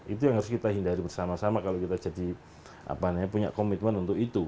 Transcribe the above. itu yang harus kita hindari bersama sama kalau kita jadi punya komitmen untuk itu